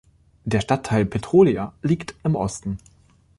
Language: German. Der Stadtteil Petrolia liegt im Osten.